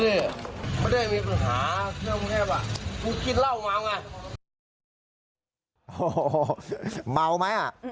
กูกินเหล้ามัวไง